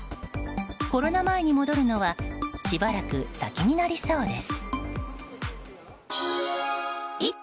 コロナ前に戻るのはしばらく先になりそうです。